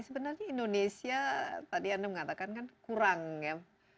sebenarnya indonesia tadi anda mengatakan kan kurang ya